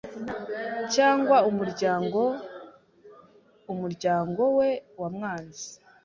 cg umuryango umuryango we wamwanze